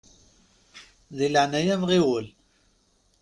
Di leɛnaya-m ɣiwel!